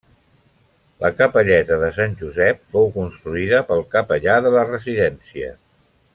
La capelleta de Sant Josep fou construïda pel capellà de la residència.